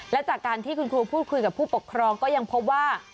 และจากการที่คุณครูพูดคุยกับผู้ปกครองก็ยังพบว่า